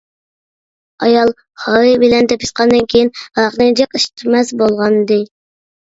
ئايال خارى بىلەن تېپىشقاندىن كېيىن ھاراقنى جىق ئىچمەس بولغانىدى.